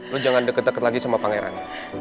lo jangan deket deket lagi sama pangeran